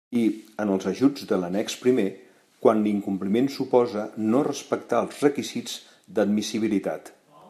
I, en els ajuts de l'annex primer, quan l'incompliment suposa no respectar els requisits d'admissibilitat.